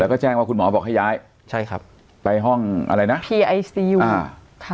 แล้วก็แจ้งว่าคุณหมอบอกให้ย้ายใช่ครับไปห้องอะไรนะพีไอซียูอ่าค่ะ